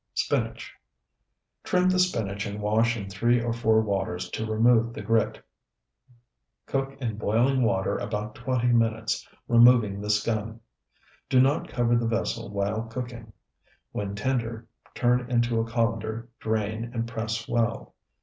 SPINACH Trim the spinach and wash in three or four waters to remove the grit. Cook in boiling water about twenty minutes, removing the scum. Do not cover the vessel while cooking. When tender, turn into a colander, drain, and press well.